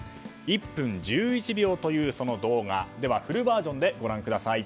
１分１１秒という動画では、フルバージョンでご覧ください。